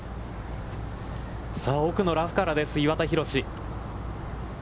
さあ、奥のラフからです、岩田寛。